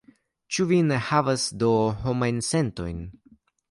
Ĉu vi ne havas do homajn sentojn?